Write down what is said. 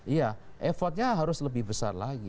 iya effortnya harus lebih besar lagi